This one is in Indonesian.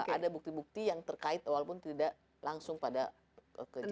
ada bukti bukti yang terkait walaupun tidak langsung pada kejadian